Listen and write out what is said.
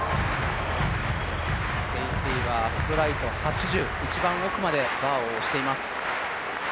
ケイティはアップライト８０，一番奥までバーを押しています。